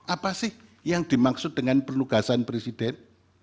apa sih yang dimaksud dengan penugasan presiden